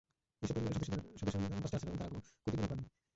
এসব পরিবারের সদস্যরা নিদারুণ কষ্টে আছেন এবং তাঁরা কোনো ক্ষতিপূরণ পাননি।